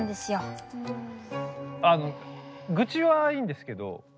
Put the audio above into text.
あのグチはいいんですけど。